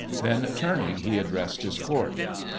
Then turning he addressed his court.